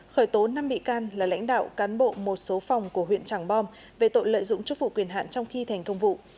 khởi tố năm bị can là lãnh đạo cán bộ một số phòng của huyện tràng bom về tội lợi dụng chức vụ quyền hạn trong khi thành công vụ